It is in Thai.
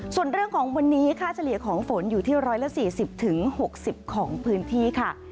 ส่วนเรื่องของวันนี้ค่าเฉลี่ยของฝนอยู่ที่๑๔๐๖๐ของพื้นที่ค่ะ